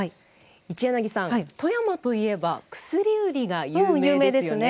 一柳さん、富山といえば薬売りが有名ですよね。